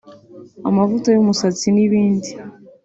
amavuta y’umusatsi n’ibindi